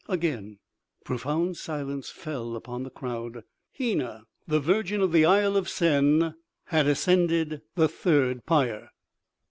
Again profound silence fell upon the crowd. Hena, the virgin of the Isle of Sen, had ascended the third pyre.